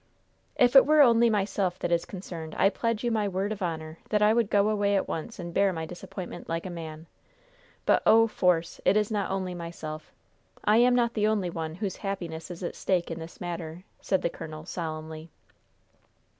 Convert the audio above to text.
"If it were only myself that is concerned I pledge you my word of honor that I would go away at once and bear my disappointment like a man. But, oh! Force, it is not only myself. I am not the only one whose happiness is at stake in this matter," said the colonel, solemnly.